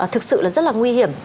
thực sự là rất là nguy hiểm